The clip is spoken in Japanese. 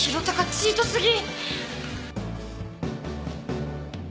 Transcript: チート過ぎ！